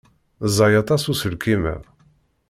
Ẓẓay aṭas uselkim-a.